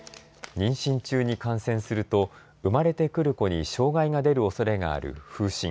妊娠中に感染すると生まれてくる子に障害が出るおそれがある風疹。